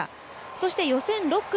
そして予選６組。